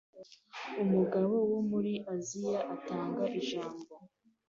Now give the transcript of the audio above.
Umugabo wo muri Aziya atanga ijambo